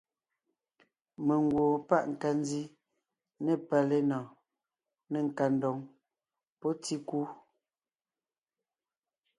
Mengwoon páʼ nkandi ne palénɔɔn, ne nkandoŋ pɔ́ tíkú.